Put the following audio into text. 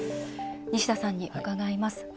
西田さんに伺います。